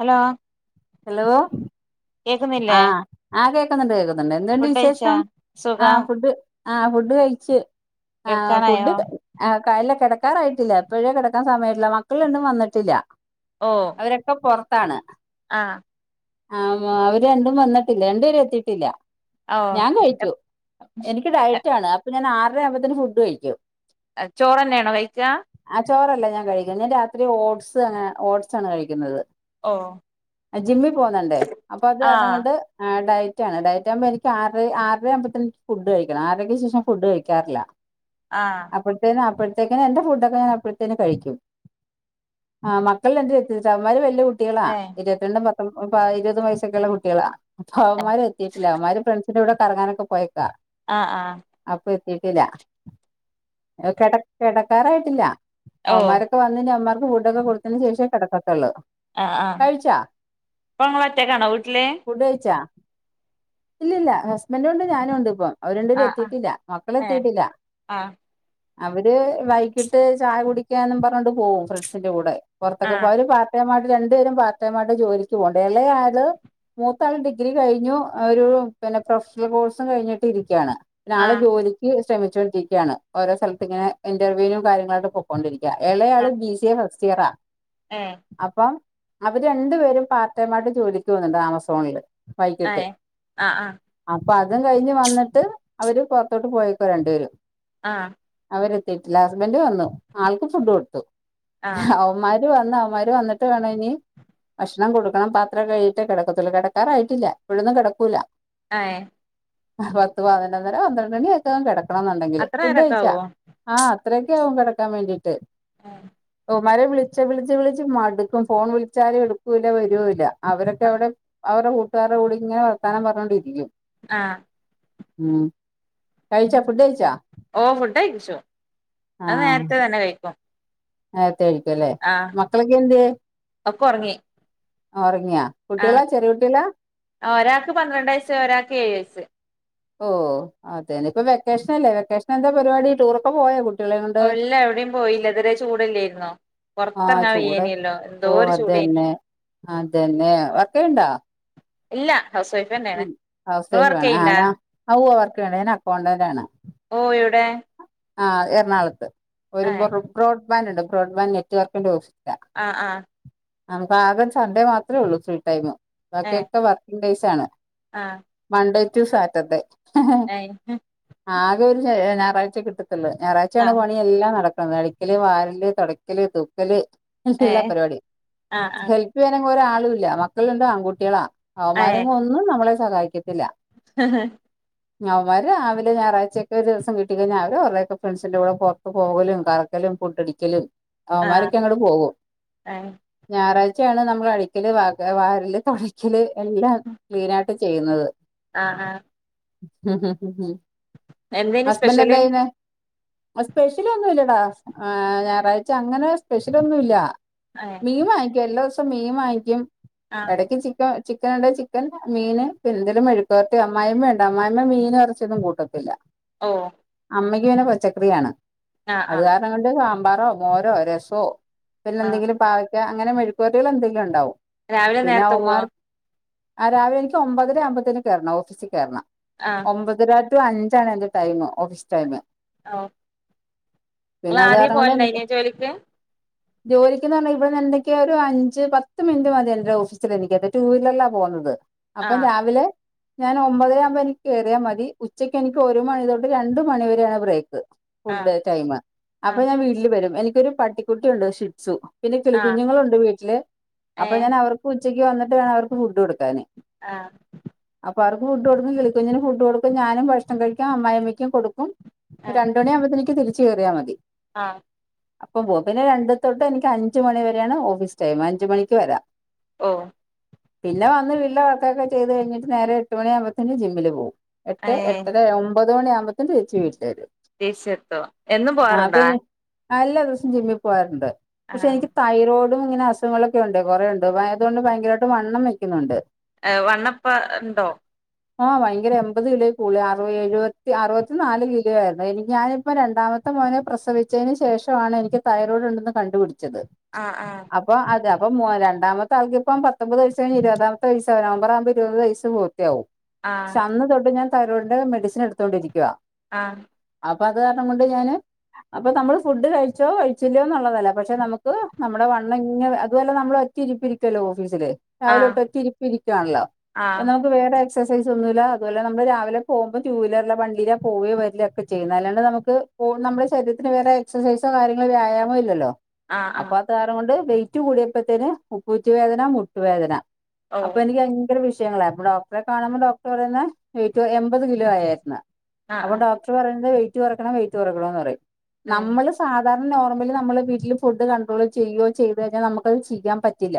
Hello hello കേക്കുന്നില്ലേ ആഹ് ആ കേക്കുന്നുണ്ട് കേക്കുന്നുണ്ട് എന്തുണ്ട് ഫുഡ് കഴിച്ചാ വിശേഷം ആ സുഖം ഫുഡ് ആഹ് ഫുഡ് കഴിച് ആ ഫുഡ് കേൾക്കാനായോ ആ് കായല്ല കെടക്കാറായിട്ടില്ല പ്പഴേ കെടക്കാൻ സമയട്ടില്ല മക്കളണ്ടും വന്നിട്ടില്ല ഓഹ് അവരൊക്കെ പൊർത്താണ് ആഹ് ആ മോ അവര് രണ്ടും വന്നിട്ടില്ല രണ്ട് പേരും എത്തിട്ടില്ല ഓ ഞാൻ കൈച്ചു എനിക്ക് ഡയറ്റ് ആണ് അപ്പ ഞാൻ ആർര ആകുമ്പതേന് ഫുഡ് കൈക്കും ചോറന്നെ ആണോ കൈക്ക ആ ചോറല്ല ഞാൻ കഴിക്കുന്നെ ഞാൻ രാത്രി ഓട്സ് അങ്ങനെ ഓട്സ് ആണ് കഴിക്കുന്നത് ഓ അ ജിമ്മി പോന്നണ്ടേ അപ്പൊ അത് ആ കാര്ണം കൊണ്ട് ആ ഡയറ്റാണ് ഡയറ്റാഉമ്പോ എനിക്ക് ആർ ആർരാകുമ്പത്ത ഫുഡ് കഴിക്കണം ആർരക് ശേഷം ഫുഡ് കഴിക്കാറില്ല ആഹ് അപ്പഴ്ത്തേനും അപ്പഴ്ത്തേക്കിനും എന്റെ ഫുഡൊക്കെ ഞാൻ അപ്പഴ്ത്തേനു കൈക്കും ആ മക്കള് രണ്ടു എത്തി അവമ്മാര് വെല്യ കുട്ടികളാ ഏ രണ്ടും പത്തും പ ഇരുപതും വയസ്സൊക്കെയുള്ള കുട്ടികളാ അപ്പൊ അവമ്മാര് എത്തിട്ടില്ല അവമാര് ഫ്രണ്ട്സ് ഇവരിവിടെ കറങ്ങാനൊക്കെ പോയേക്കാ ആഹ് ആഹ് അപ്പൊ എതീട്ടില്ല എ കെടക് കെടക്കാരായിട്ടില്ല ഓ അവമ്മാര് വന്നിനി അവമാർക്ക് ഫുഡൊക്കെ കൊടുത്തിന് ശേഷ കെടക്കതൊള്ളൂ. ആഹ് ആഹ് അപ്പങ്ങള് ഒറ്റേക്കാണോ വീട്ടിലെ ഫുഡ് കൈച്ചാ ഇല്ലില്ല ഹസ്ബന്റ് ഉണ്ട് ഞാനും ഉണ്ട് ഇപ്പം അവരുരണ്ടു ആ പേരും ആ എത്തിട്ടില്ല ഏ മക്കളെത്തിട്ടില്ല ആ അവര് വൈകിട്ട് ചായ കുടിക്കന്ന് പറഞ്ഞോണ്ട് പോവും ഫ്രണ്ട്സിന്റെ കൂടെ ആ പൊറത്തൊക്കെ പോ അവര് പ ർട്ട് ടൈം ആട് രണ്ട് പേരും പാർ ടൈമായിട്ട് ജോലിക്ക് പോകേണ്ട എളേ ആള് മൂത്താള് ഡിഗ്രി കൈഞ്ഞു ഒരു പിന്നെ പ്രെഷ്ണൽ കോഴ്സും കഴിഞ്ഞിട്ട് ഇരിക്കാണ് ആ ആൾ ജോലിക്ക് ശ്രമിചോണ്ടിക്കയാണ് ഓരോ സ്ഥലത്ത് ഇങ്ങനെ ഇന്റർവ്യൂനും കാര്യങ്ങളും ആയിട്ട് പോ കൊണ്ടിരിക്ക ആ എളെയാള് ബി സി എ ഫസ്റ്റിയറ ഏ അപ്പം അവര് രണ്ടു പേരും പാർട്ട് ടൈം ആയിട്ട് ജോലിക്ക് പോകുന്നുണ്ട് ആമസോണില് ഏ വൈകിട്ട് ആ ആ അപ്പം അതും കൈഞ്ഞ് വന്നിട്ട് അവര് പൊറ്ത്തോട്ട് പോയേക്കുവ രണ്ട്പേരും ആഹ് അവരെത്തിട്ടില്ല ഹസ്ബന്റ് വന്നു ആൾക്ക് ഫുഡ് കൊടുത്തു ആ അവമ്മാര് വന്ന് അവമ്മാര് ഇവര് വന്നിട്ട് വേണ ഇനി ഭക്ഷണം കൊടുക്കണം പാത്രം കഴിയിട്ട് കെടക്കതൊള്ളു കെടക്കാറായിട്ടില്ല ഇപ്പഴൊന്നും കെടക്കൂല്ല ഏഹ് പത്ത് പതിനൊന്നര പന്ത്രണ്ട് മണിയൊക്കെ ആകും കെടക്കണോന്നൊണ്ടങ്കില് അത്ര ഫുഡ് നേരൊക്കെ കയിച്ചാ ആവോ ആഹ് അത്രേ ഒക്കെ ആകും കെടക്കാൻ വേണ്ടീട്ട് ആഹ് ഇവമാരെ വിളിച്ച വിളിച്ച് വിളിച്ച് മടുക്കും ഫോൺ വിളിച്ചാലും എടുക്കൂല്ല വരുവ ഇല്ല അവരൊക്കെ അവിടെ അവർടെ കൂട്ടുകാർടെ കൂടിങ്ങനെ വർത്താനം പർഞ്ഞൊണ്ടിരിക്കും ആഹ് ഉം കഴിച്ച ഫുഡ്‌ കയിച്ചാ ഓ ഫുഡ് കഴിച്ചു ആ അത് നേരത്തെ തന്നെ കൈക്കും നേരത്തെ കഴിക്കുവല്ലേ മക്കളൊക്കെ എന്തിയേ ഒക്കെ ഉറങ്ങി ഒറങ്ങിയാ കുട്ടികള ചെറിയ കുട്ടികള ആഹ് ഒരാക്ക് പന്ത്രണ്ട് വയസ്സ് ഒരാക്ക് ഏഴ് വയസ്സ് ഓ അതന്നെ ഇപ്പൊ വെക്കേഷനല്ലേ വെക്കേഷൻ എന്താ പരിപാടി ടൂറൊക്കെ പോയാ കുട് ഒ ഇല്ല എവിടേം പോയില്ല ഇതുവരെ ചൂടല്ല്യായ്രുന്നോ ആഹ് പൊറ്ത്തെറങ്ങാൻ ചൂട് വയ്യേനേല്ലോ എന്തോരു ചൂടേനി അതെന്നെ വർക്ക് ചെയ്യ്ണ്ടാ ഇല്ല ഹൗസ് വൈഫ്‌ ഉം ഹൗസ് വൈഫാണ് ആ നാ വർക്ക് ചെയ്യുണ്ട് ഞാൻ അക്കൗണ്ടന്റാണ് ഓ എവിടെ ആഹ് എറണാകുളത്ത് ഒരു ബ്രോഡ്ബാൻഡ് ഉണ്ട് ബ്രോഡ്ബാൻഡ് നെറ്റ്വവർക്കിന്റെ ഓഫീസിലാ ആഹ് ആഹ് നമുക്ക് ആകെ സൺഡേ മാത്രേള്ളൂ ഫുൾ ടൈം ബാക്കി ഒക്കെ വർക്കിംങ്ങ് ഡേയ്സ് ആണ് ആഹ് മൺഡേ റ്റു സാറ്റർഡേ [unintelligible] ആകെ ഒരു ഞായാഴ്ച കിട്ടത്തൊള്ളൂ ആ ഞായറാഴ്ചയാണ് പണി എല്ലാം നടക്കണം അടിക്കല് വാരല് തുടക്കല് തൂക്കല് ഏ എല്ലാ പരിപാടി ആ ഹെല്പ് പ്പ് ചെയ്യാൻ ഒരാളുല്ല മക്കളുണ്ട് ആൺകുട്ടികളാ ആ ഏ അവമാരങ്ങും ഒന്നും നമ്മളെ സഹായിക്കത്തില്ല ഹ ഹ അവന്മാര് രാവിലെ ഞായാഴ്ചയൊക്കെ ഒരു ദിസം കിട് ട്ടികഴിഞ്ഞാൽ അവരൊക്കെ ഫ്രണ്ട്സിന്റെ കൂടെ പുറത്ത് പോകലും കറക്കലും പുട്ടടിക്കലും ആ അവമ്മരൊക്കെ അങ്ങട്ട് പോകും ഏ ഞായറാഴ്ചയാണ് നമ്മള് അടിക്കല് വാരല് തുടയ്ക്കല് എല്ലാം ക്ലീനായിട്ട് ചെയ്യുന്നത് ആഹ് ആഹ് എന്തേനി ഹസ്ബന്റ് സ്പെഷ്യല് ന്താ ചെയ്യുന്നെ സ്പെഷ്യൽ ഒന്നുല്ലടാ ആ ഞായറാഴ്ചങ്ങനെ സ്പെഷ്യലൊന്നുല്ല ഏ മീൻ വാങ്ങിക്കും എല്ലാ ദിവസം മീൻ വാങ്ങിക്കും ആ ഇടക്ക് ചി ചിക്കൻ ഉണ്ടെ ചിക്കൻ മീന് പിന്നെ എന്തേലും മെഴുകുപെരട്ടി അമായിമ്മണ്ട് അമായിമ്മ മീനും എറച്ചിയൊന്നും കൂട്ടത്തില്ല ഓ അമ്മയ്ക്ക് പിന്നെ പച്ചക്കറിയാണ് ആ ആ അത് കാരണം കൊണ്ട് സാമ്പാറോ മോരോ രസോ ആ പിന്നെന്തെങ്കിലും പാവക്ക അങ്ങനെ മെഴുക്കു വരട്ടികൾ എന്തെങ്കിലും ഉണ്ടാവും രാവിലെ പിന്നെ നേരത്തെ പോവോ അവന്മാർ ആ രാവിലെ എനിക്ക് ഒമ്പതര ആകുമ്പത്തേന് കയറണം ഓഫീസിൽ കയറണം ആഹ് അമ്പതര ടു അഞ്ചാണ് എന്റെ ടൈം ഓഫീസ് ടൈമ് ഓ നിങ്ങൾ പിന്നെ അത് ആദ്യേ കാരണം കൊണ്ട് പോവലുണ്ടായിനോ ജോലിക്ക് ജോലിക്ക്ന്ന് പറഞ്ഞ് ഇവടന്ന് എന്തക്കൊ ഒരു അഞ്ച് പത്ത് മിനിറ്റ് മതി എന്റെ ഓഫീസൽ എനിക്ക് ടു വീലറിലാ പോകുന്നത് ആ അപ്പ രാവിലെ ഞാൻ ഒമ്പതരാകുമ്പോ എനിക്ക് കേറിയാ മതി ഉച്ചക്ക് എനിക്ക് ഒ ഒരു മണി തൊട്ട് രണ്ട് മണി വരെയാണ് ബ്രൈക്ക് ആ ഫുഡ് ടൈമ് ആ അപ്പോ ഞാൻ വിളിക് ല് വെരും എനിക്കൊരു പട്ടിക്കുട്ടിയുണ്ട് ഷിപ്സു. പിന്നെ ആ കിളികുഞ്ഞുങ്ങളുണ്ട് വീട്ടില് ഏ അപ്പൊ ഞാൻ അവർ. ഉച്ചയ്ക്ക് വന്നിട്ട് വേണം അവർക്ക് ഫുഡ് കൊടുക്കാന് ആഹ് അപ്പൊ അവർക്ക് ഫുഡ് കൊടുക്കും. കിളിക്കുഞ്ഞിന് ഫുഡ് കൊടുക്കും. ഞാനും ഭക്ഷണം കഴിക്കും. അമ്മായിമ്മയ്ക്കും കൊടുക്കും. ആഹ് രണ്ട് മണിയാകുമ്പോത്തിന് നിക്ക് തിരിച്ചു കേറ്യാ മതി. ആഹ് അപ്പൊ ബോഹ് പിന്നെ രണ്ടു തൊട്ട് എനിക്ക് അഞ്ചമണി വരെ ആണ് ഓഫീസ് ടൈം. അഞ്ച് മണിക്ക് വരാ ഓ പിന്നെ വന്ന് വില്ലൊ വൊക്കെക്കെ ചെയ്ത് കഴിഞ്ഞിട്ട് നേരെ എട്ട് മണി ആവുമ്പോത്തിന് ജിമ്മില് പോകും എട്ട് ഏഹ് എട്ടര മ്പതുമണിയാകുമ്പോത്തിന് തിരിച്ച് വീട്ടില് വെരും. ദേശീയത്വം എന്നും ആഹ് അപ്പ പോവാറുണ്ടാ എല്ലാ ദിവസം ജിമ്മിൽ പോവാറ്ണ്ട്. പക്ഷെ എനിക്ക് തൈറോയ്ഡ്. ഇങ്ങനെ അസുഖങ്ങളൊക്കെ ഉണ്ട്. കൊറേ ഉണ്ട്. വയറോണ്ട് ഭയങ്കര വായിട്ട് വണ്ണം വെയ്‌ക്കുന്നുണ്ട്. എഹ് വണ്ണപ്പ ഇണ്ടോ. ആഹ് ഭയങ്കര എമ്പത് കിലോ കൂടി അുറുപ എഴുപ അറുവത്തി നാല് കിലോ ആയിര്ന്നു. എനിക്ക് ഞാനിപ്പ രണ്ടാമത്തെ മോനെ പ്രസവിച്ചയ്ന് ശേഷവാണ് എനിക്ക് തൈറോയ്ഡ് ഇണ്ടന്ന് കണ്ടുപിടിച്ചത്. അഹ് ആഹ് അപ്പൊ അത് അപ്പൊ മ രണ്ടാമത്തെ ആൾക്ക് ഇപ്പ പത്തൊമ്പത് വയസ് ഇരുപതാമത്തെ വയസാ [unintelligible] നവംബറാവുമ്പ ഇരുപത് വയസ് പൂർത്തിയാവും ക്ഷെ അന്ന് തൊട്ട് ഞാൻ തൈറോയിഡിന്റെ മെഡിസിൻ എടുത്തൊണ്ടിരിക്ക്യാെ ആഹ് അപ്പൊ അതാര്ണം കൊണ്ട് ഞാന്. അപ്പൊ നമ്മള് ഫുഡ് കഴിച്ചോ കഴിച്ചില്ല്യോന്നുള്ളതല്ല. പക്ഷെ നമുക്ക് നമ്മുടെ വണ്ണങ്ങനെ അതുപോലെ നമ്മള് റ്റിരിപ്പിരിക്കല്ലേ ഓഫീസില് രാവിലൊട്ട് ആഹ് ഒറ്റിരിപ്പിരികാണ്ല്ലോ ആഹ് ആഹ് പ്പനാ വേറെ എക്സൈസ് ഒന്നുല്ല അതുപോലെ നമ്മള് രാവിലെ പോവുമ്പോ റ്റൂലർലാ വണ്ടിയില പോവേ വരില്ല ഒക്കെ ചെയ്യുന്നത് അല്ലാണ്ട് നമുക്ക നമ്മുടെ ശരീരത്തിന് വേറെ എക്സസൈസൊ വ്യായാമൊ. ഇല്ലല്ലോ ആഹ് അപ്പൊ ആഹ് അത് കാര്ണം കൊണ്ട് വെയിറ്റ് കൂടിയപ്പോത്തേ ന്നെ ഉപ്പൂറ്റുവേദന മുട്ടുവേദന. ഓ അപ്പൊ എനിക്ക് ഭയങ്കര വിഷയങ്ങളായി അപ്പൊ ഡോക്ടറെ കാണുമ്പോ ഡോക്ടർ പറയുന്ന് വെയ്റ്റ് എൺമ്പത് കിലോ ആയേര്ണ്. ആഹ് അപ്പൊ ആഹ് ഡോക്ടർ പറയ്ന്നത് വെയിറ്റ് കൊറക്കണം വെയിറ്റ് കുറക്കണന്ന് പറയും ഏഹ് നമ്മള് സാധാരണ നോർമലി നമ്മള് വീട്ടിൽ ഫുഡ് കണ്ട്രോൾ ചെയ്യോ ചെയ്തു കഴിഞ്ഞാ നമുക്ക്ത് ചെയ്യാൻ പറ്റില്ല.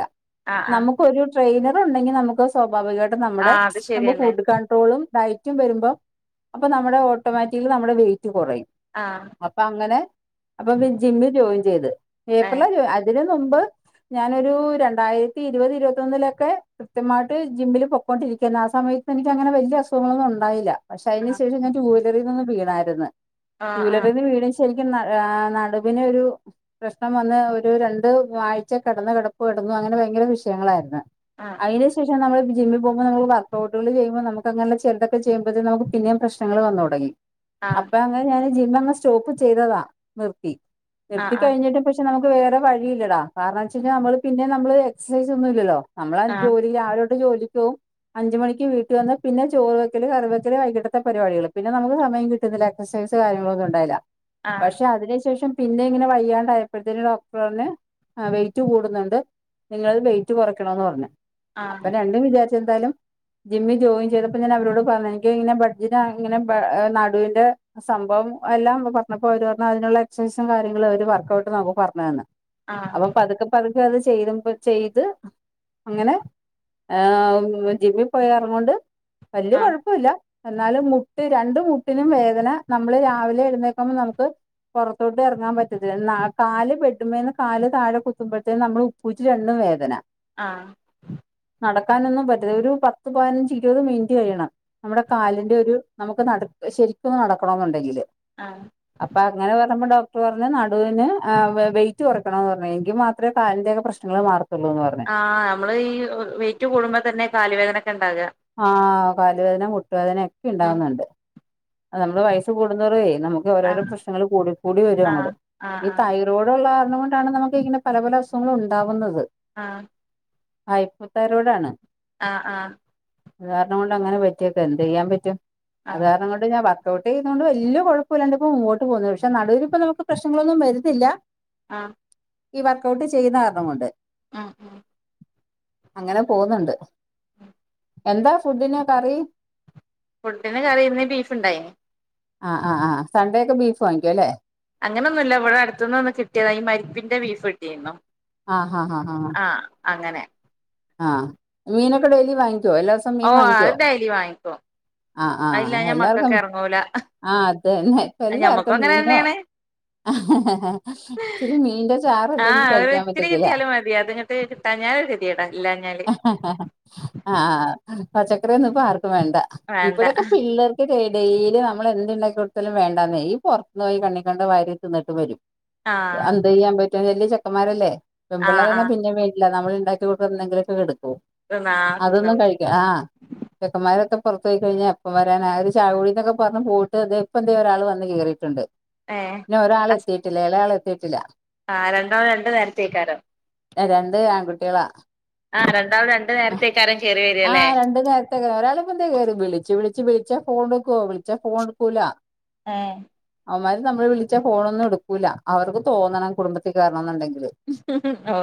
ആഹ് ആഹ് നമുക്കൊരു ട്രെയിനർ ഉണ്ടെങ്കി നമുക്ക് സ്വാഭാവികായിട്ട് നമ്മുടെ ആഹ് അത് നമ് ശരിയന്നെ ഫുഡ് കൺട്രോളും ഡയ്റ്റും വെരുമ്പോ അപ്പൊ നമ്മുടെ ഓട്ടോമാറ്റിലി നമ്മുടെ വെയിറ്റ് കൊറയും. ആഹ് അപ്പൊ അങ്ങനെ അപ്പൊ ജിമ്മിൽ ജോയിൻ ചെയ്ത്. ഏപ്പ്രില ഏഹ് അതിന് മുമ്പ് ഞാനൊരു രണ്ടായിരത്തി ഇരുപത് ഇരുപത്തൊന്നിലൊക്കെ കൃത്യമായിട്ട് ജിമ്മില് പൊക്കൊണ്ടിരിക്കാന്നു ആ സമയ എനിക്കങ്ങനെ വല്യെ അസുഖങ്ങളൊന്നും ഒണ്ടായില്ല. പക്ഷെ ആഹ് അതിനുശേഷം ഞാൻ ടൂവലറി നൊന്ന് വീണായിര്ന്ന്. ആഹ് ആഹ് ടൂലറീന്ന് വീണ് [unintelligible] ശരിക്കും നെ ഏ നടുവിന് ഒരു പ്രശ്നം വന്ന് ഒരു രണ്ട് ആഴ്ച കെടന്ന കെടപ്പ് കെടന്ന് അങ്ങനെ ഭയങ്കര വിഷയങ്ങളായിര്ന്ന്. ആഹ് അയ്ന് ശേഷം നമ്മ ജമ്മി പോവുമ്പോ നമ്ല് വർകൗട്ടാള് ചെയ്യുമ്പോ നമുക്ക് അങ്ങെനെ ചെൽതൊക്കെ ചെയ് ക്ക് നമുക്ക് പിന്നേം പ്രശ്നങ്ങള് വന്നതൊടങ്ങി. അപ്പ ആഹ് പ്പ ഞാൻ ജിമ്മങ്ങ് സ്റ്റോപ്പ് ചെയ്തതാ നിർത്തി ആഹ് നിർത്തി കഴിഞ്ഞിട്ട് ഇപ്പൊ ഷെ നമക്ക് വേറെ വഴിയിലെടാ കാര്ണം എ വെച്ചയ്ഞാ നമ്മള് പിന്നെ നമ്മള് എക്സൈസ് ഒന്നു ഇല്ലല്ലോ. നമ്മള ആഹ് ജോലി രാവിലെ തോട്ട് ജോലിക്കോവും അഞ്ചുമണിക്ക് വീട്ട് വന്ന് പിന്നെ ചോറ് വെക്കല് കറിവ പിനെ വൈകിട്ടെത്തെ പരിപടികള്. പിന്നെ നമുക്ക് സമയം കിട്ടിന്ന്ല്ല എക്സൈസ് കാര്യങ്ങള് ഒന്നും ഉണ്ടായില. ആഹ് ആഹ് പക്ഷെ അതിനുശേഷം. പിന്നെ ഇങ്ങനെ വയ്യാണ്ടായപ്പോഴത്തേന് ഡോക്ട് പറ്ഞ് അ വെയിറ്റ് കൂടുന്നുണ്ട്. നിങ്ങൾ വെയിറ്റ് കൊറയ്ക്കണന്ന് പറ്ഞ്. അപ്പ രണ്ടും വിചാര്ചെന്തയാലും ജിമ്മി ജോയിൻ ചെയ്തപ്പോ ഞാൻ അവരോട് പറഞ്ഞ ഇങ്ങനെ ബഡ്ജിനാ ഇങ്ങനെ പ്പ ഹേ നടുവിന്റെ സംഭവം എല്ലാം പർഞ്ഞപ്പോ ഓര് പറഞ്ഞ് അതിനുള്ള എക്സസൈസും കാര്യങ്ങളും അവര് വർക്കഔട്ട് നമുക്ക് പറഞ്ഞന്ന്. ആഹ്. അപ്പം പതുക്കെ പതുക്കെ അത് ചെയ്തുമ്പ ചെയ്ത്. അങ്ങനെ ഏ ജിമ്മി പോയ എറങ്ങോണ്ട് വല്ല്യ ആഹ് കൊഴ പ്പുല്ല എന്നാലും മുട്ട് രണ്ട് മുട്ടിനും വേദന നമ്മള് രാവിലെ എഴുന്നേക്കുമ്പോ നമുക്ക്. പൊറത്തോട്ട് എർങ്ങാ പറ്റതില്ല ന്നാ കാല് ബെഡ്മേന്ന് കാല് താഴെ കുത്തുമ്പഴ്ത്തേ നമ്മള്. പൂറ്റി രണ്ടും വേദന. ആഹ്. നടക്കാനൊന്നും പറ്റില്ല ഒരു പത്ത് പതിനഞ്ച് ഇരുപത് മിൻറ്റ് കഴിയണം. നമ്മുടെ കാലിന്റെരു നമുക്ക് നട് ശരിക്ക് നടക്കണോ ന്നുണ്ടെങ്കില്. ആഹ്. അപ്പങ്ങനെ പർഞ്ഞപ്പ ഡോക്ടറ് പർഞ് നടുവിന് ഏ വെ വെയിറ്റ് കൊറയ്ക്കണന്ന് പർഞ് എങ്കി മാത്ര ത്ര കാലിന്റെക്കെ പ്രശ്നങ്ങള് മാറത്തൊള്ളൂന്ന് പറഞ്. ആഹ് നമ്മളീ വൈറ്റ് കൂടുമ്പ തന്നെ കാല് വേദനക്കെ ണ്ടാക. ആഹ് കാലുവേദന മുട്ടുവേദന ഒക്കെ ഉം ഇണ്ടാവുന്നുണ്ട്. അ നമ്മള് വയസ് കൂടുന്തോറേ നമുക്ക് ഓരോരോ ആഹ് പ്രശ്നങ്ങള് കൂടി കൂടി വര്വങ്ങട് ആഹ് ഈ ആഹ് തൈ റോടുള്ള കാരണം കൊണ്ടാണ് നമുക്കിങ്ങനെ പല പല അസുഖങ്ങളും ഉണ്ടാകുന്നത്. ആഹ്. ആയ്പ തൈറോഡാണ്. ആഹ് ആഹ്. അത് കാരണം കൊണ്ടങ്ങനെ പറ്റിയേക്ക എന്തെയ്യാ പറ്റും ആഹ് അകാരണം കൊ ട് ഞാ വർക്കൗട്ടെയ്യ്ണോണ്ട് വല്ല്യ കൊഴപ്പുല്ലാണ്ടെ പ്പോ മുമ്പോട്ട് പോന്ന പക്ഷെ നടുവിനിപ്പ നമുക്ക് പ്രശ്നങ്ങളൊന്നും വരുന്നില്ല. ആഹ്. ഈ വർക്കഔട്ട് ചെയ്യുന്ന കാര്ണം കൊണ്ട്. ആഹ് ആഹ്. അങ്ങനെ പോവുന്നുണ്ട് എന്താ ഫുഡിന് കറി. ഫുഡിന് കറിയിന്ന് ബീഫ്ണ്ടായിന്. ആഹ് ആഹ് ആഹ് സൺ‌ഡേക്കെ ബീഫ് വാങ്ങിക്കും അല്ലേ. അങ്ങനെന്നുല്ല് ഇവടട്ത്ത്ന്നൊന്ന് കിട്ട്യതാ ഈ മര്പ്പിന്റെ ബീഫ് കിട്ടിര്ന്നു. ആ ഹാ ഹാ ആ. ആഹ് അങ്ങനെ. ആഹ് മീനൊക്കെ ഡെയിലി വാങ്ങിക്ക്യോ എല്ലാ ഓഹ് അത് ഡെയിലി വാങ്ങിക്കോ. ആഹ് ആഹ് എല്ലാർക്കും അ ആതന്നെ ഞമ്മക്കും ഇപ്പല്ലാർക്കും അങ്ങനെ മീനോ. തന്നെയാണ് ചില മീന്റെ ചാറ്ല്ലെങ്കി കഴിക്ക്യാ പറ്റത്തില്ല. പി അതിങ്ങട്ട് കിട്ടാഞ്ഞാലൊരു കെത്യേടാ ഇല്ലാഞ്ഞാൽ. ആഹ് പച്ചക്കറി ഒന്നുപ്പ ആർക്കും വേണ്ട വേണ്ട ഇബടൊക്കെ പിള്ളേർ ക്ക് ഡെ ഡെയ്ലി നമ്മളെന്ത് ണ്ടാക്കികൊട്ത്താലും വേണ്ടാന്നേ ഈ പൊർത്ത്ന്നോയി കണിക്കണ്ട വാരി തിന്നിട്ട് വരും. ആഹ് അന്തെയ്യാ പറ്റോ വല്ല്യ ചെക്കന്മാരല്ലേ ആഹ് പെമ്പിള്ളേരാണെ ആഹ് പിന്നെ വേണ്ടില്ല നമ്മള് ണ്ടാക്കിക്കൊട് വന്നെങ്കിലൊക്കെ കടുക്കോ തിന്നാ അതൊന്നും തിന്നോളും കഴിക്ക ആഹ്. ചെക്കന്മാരൊക്കെ പൊറത്ത് പോയി കഴിഞ്ഞാ എപ്പം വരാനാ ആ ഒരു ചായകുടിന്നൊക്കെ പർഞ്ഞ് പോയിട്ട് ദെ ഇപ്പൊ ദെ ഒരാള് വന്ന് കേറി. ട്ടുണ്ട്. ഏഹ്. ന്നൊ ഒരാള് ഹസ് എത്തിയിട്ടില്ല ഇളയാളെത്തിയിട്ടില്ല. ആഹ് രണ്ടാളു രണ്ട് നേരത്തേക്കാരം. എ രണ്ട് ആൺകുട്ടികളാ. ആഹ് രണ്ടാളു രണ്ട് നേരത്തേക്കാരം കേറി വര ലേ. ണ്ട് നേര്ത്തക ഒരാള് ഇപ്പൊ ദേ കേറി വിളിച്ചു വിളിച്ച് വിളിച്ചാ ഫോൺ എടുക്കുവോ വിളിച്ചാ ഫോൺ എടുക്കൂല ഏഹ്. അവമാര് നമ്മള് വിളിച്ച ഫോണൊന്നും എടുക്കൂല്ല അവർക്ക് തോന്നണം കുടുംബത്തി കേറണന്നുണ്ടെങ്കില്. ഓ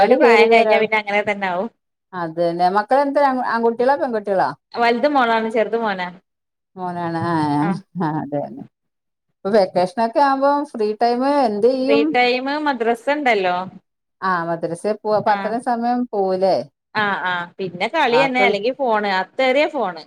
ഒരു പ്രായം കഴിഞ്ഞ ഒരാൾ പിന്നെ അങ്ങനെ തന്നെ ആവും അതന്നെ മക്കള് എന്ത ആൺകുട്ടികളാ പെൺകുട്ടികളാ വല്ത് മോളാണ് ചെറുത് മോനാ മോനാണ് ആ ആഹ് അതെ ഇപ്പൊ വെക്കേഷൻ ഒക്കെ ആവുമ്പോം ഫ്രീ ടൈം ഫ്രീ ചെയ്യും ടൈം മദ്രസ ഉണ്ടല്ലോ ആഹ് മദ്രസൽ പോ അപ്പൊ അത്രം സമയം പോവൂലേ ആഹ് ആഹ് പിന്നെ കളി തന്നെ ബാക്കിയുള്ള അല്ലെങ്കി ഫോൺ ആ തെറിയ ഫോണ്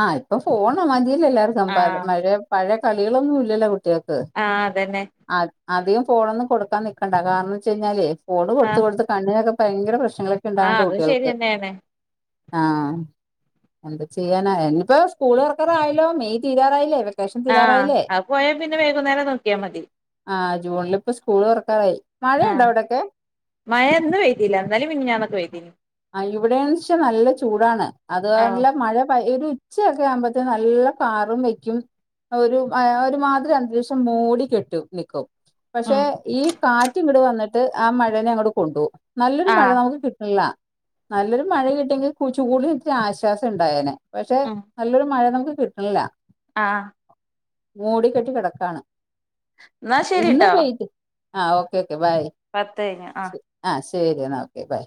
ആ ഇപ്പൊ ഫോണ് മതില്ലൊ എല്ലാവർക്കും ആ മഴയ പഴയ കളികളൊന്നും ഇല്ലല്ലോ കുട്ടികൾക്ക് ആഹ് അതന്നെ അധ് അധികം ഫോണൊന്നും കൊടുക്കാൻ നിക്കണ്ട കാരണം വെച്ച കഴിഞ്ഞാല് ഫോണ് ആ കൊടുത്ത് കൊടുത്ത് കണ്ണിനൊക്കെ ഭയങ്കര പ്രശ്നങ്ങളൊക്കെ ആ ഇണ്ടാവണ്ട് അതും കുട്ടികൾക്ക് ശരിയന്നെയാണ് ആഹ് എന്ത് ചെയ്യാനാ ഇന്നിപ്പോ സ്കൂൾ തൊറക്കറായാല്ലൊ മെയ് തീരാറായില്ലെ വെ ക്കേഷൻതീരാ ആഹ് അത് പോയാ പിന്നെ വൈകുന്നേരം നോക്കിയാമതി ആഹ് ജൂണിലിപ്പ സ്കൂള് തുറക്കാറായി ആ മഴയുണ്ടോ അവിടൊക്കെ മഴ ഇന്ന് പെയ്തില്ല ഇന്നലേം മിന്നാന്നൊക്കെ പെയ്തീനി. ആ ഇവിടെന്ന് വെച്ചാ നല്ല ചൂടാണ് അത് ആ നല്ല മഴ പ ഒരു ഉച്ചയൊക്കെ ആകുമ്പോത്തെ നല്ല കാറും വെക്കും ഒരു ഒരുമാതരി അന്തരീക്ഷം മൂടി കെട്ടു നിക്കും പക്ഷെ ഉം ഈ കാറ്റ് ഇങ്ങട് വന്നിട്ട് ആ മഴനെ അങ്ങട് കൊണ്ടുപോകും നല്ലൊരു ആ മഴ നമുക്ക് കിട്ടില്ല നല്ലൊരു മഴ കിട്ടിയെങ്കിൽ കൂട്നിത്തിരി ആശ്വാസം ഇണ്ടായേനെ പക്ഷെ നല്ലൊരു മഴ നമുക്ക് കിട്ട് ല്ല ആഹ് മൂട കെട്ടി കിടക്കാണ് എന്നാ ഇന്ന് ശരിട്ടോ പെയിട്ത് ആഹ ഓക്കേ ഓക്കെ ബൈ പത്ത് കഴിഞ്ഞഞ് ആ ആഹ ശരി എന്നാ ഓക്കെ ബൈ